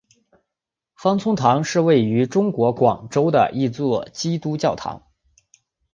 芳村堂是位于中国广州的一座基督教堂。